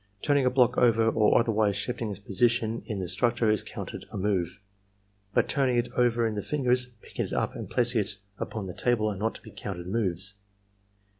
Turning a block over or otherwise shifting its position in the structure is counted a move, but turning it over in the fingers, picking it up, and placing it upon the table are not to be counted moves.